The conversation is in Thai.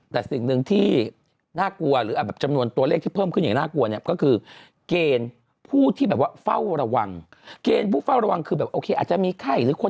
แต่สิ่งหนึ่งที่น่ากลัวหรือแบบจำนวนตัวเลขที่เพิ่มขึ้นอย่างน่ากลัวเนี่ยก็คือเกณฑ์ผู้ที่แบบว่าเฝ้าระวังเกณฑ์ผู้เฝ้าระวังคือแบบโอเคอาจจะมีไข้หรือคน